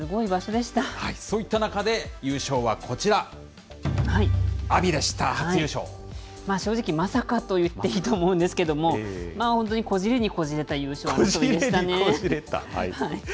そういった中で、優勝はこち正直、まさかと言っていいと思うんですけども、本当にこじれにこじれた優勝でしたね。